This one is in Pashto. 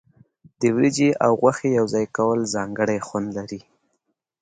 د وریجې او غوښې یوځای کول ځانګړی خوند لري.